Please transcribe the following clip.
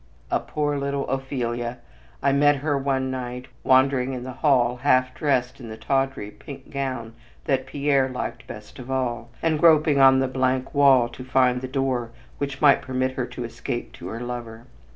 A poor little Ophelia, I met her one night wandering in the hall half dressed in the tawdry pink gown "that Pierre liked best of all" and groping on the blank wall to find the door which might permit her to escape to her lover.